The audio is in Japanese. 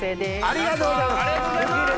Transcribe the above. ありがとうございます！